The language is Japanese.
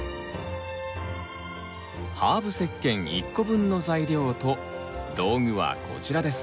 ハーブ石けん１個分の材料と道具はこちらです。